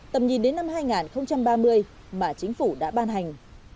tầm nhìn đến năm hai nghìn ba mươi mà chính phủ đã ban hành